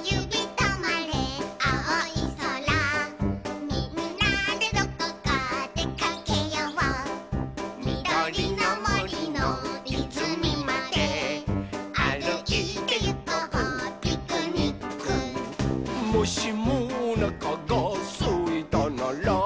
とまれあおいそら」「みんなでどこかでかけよう」「みどりのもりのいずみまであるいてゆこうピクニック」「もしもおなかがすいたなら」